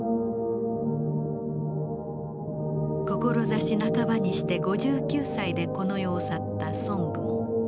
志半ばにして５９歳でこの世を去った孫文。